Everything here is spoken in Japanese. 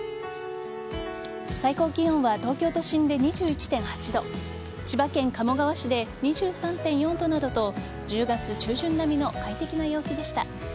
最高気温は東京都心で２１．８度千葉県鴨川市で２３．４度などと１０月中旬並みの快適な陽気でした。